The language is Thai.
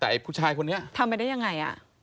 แต่ไอ้ผู้ชายคนนี้ทำไปได้ยังไง